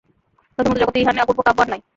প্রথমত জগতে ইহার ন্যায় অপূর্ব কাব্য আর নাই।